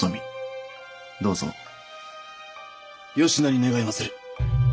どうぞよしなに願いまする。